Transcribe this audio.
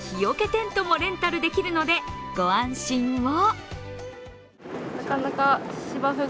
テントもレンタルできるので、ご安心を。